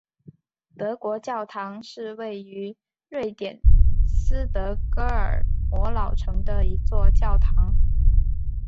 德国教堂是位于瑞典斯德哥尔摩老城的一座教堂。